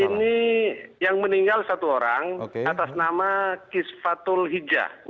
ini yang meninggal satu orang atas nama kis fatul hijah